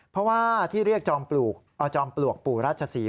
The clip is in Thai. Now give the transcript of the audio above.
เพราะว่าที่เรียกจอมปลวกเอาจอมปลวกปู่ราชศรี